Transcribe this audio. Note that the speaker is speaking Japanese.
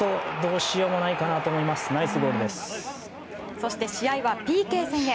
そして、試合はＰＫ戦へ。